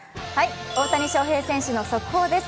大谷翔平選手の速報です。